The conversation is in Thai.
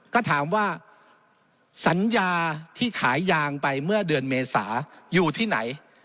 ก็ถามว่าสัญญาที่ขายยางไปเมื่อเดือนเมษาอยู่ที่ไหน